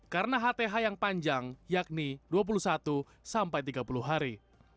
karena hth yang panjang yakni dua puluh satu sampai tiga puluh hari